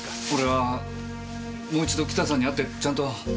俺はもう一度キタさんに会ってちゃんと。